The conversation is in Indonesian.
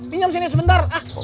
pinjam sini sebentar ah